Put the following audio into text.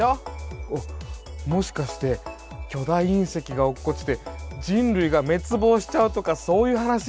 あっもしかして巨大隕石が落っこちて人類が滅亡しちゃうとかそういう話？